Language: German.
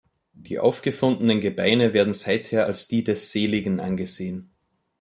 Die aufgefundenen Gebeine werden seither als die des Seligen angesehen.